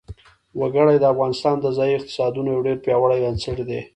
وګړي د افغانستان د ځایي اقتصادونو یو ډېر پیاوړی بنسټ دی.